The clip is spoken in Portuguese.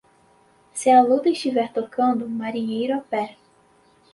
Se a lua estiver tocando, marinheiro a pé.